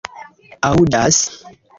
aŭdas